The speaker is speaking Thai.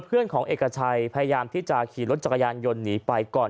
เพื่อนของเอกชัยพยายามที่จะขี่รถจักรยานยนต์หนีไปก่อน